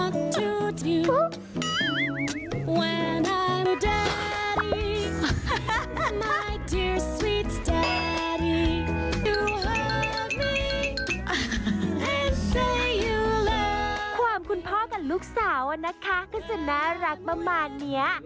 ก็จะน่ารักประมาณนี้